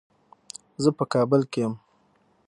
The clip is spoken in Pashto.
زه په کابل کې یم.